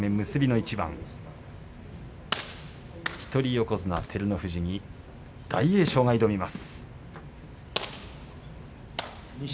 一人横綱照ノ富士に大栄翔が挑みます。